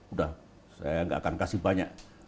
udah saya gak akan kasih banyak